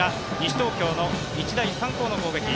東京の日大三高の攻撃。